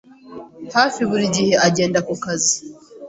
hafi buri gihe agenda ku kazi.